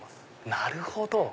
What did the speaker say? なるほど。